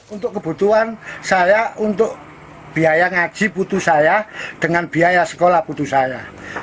untuk kebutuhan saya untuk biaya ngaji putusaya dengan biaya sekolah putusaya